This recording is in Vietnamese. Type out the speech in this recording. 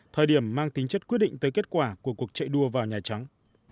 thời điểm mang tính chất quyết định tới kết quả của cuộc chạy đua vào nhà trắng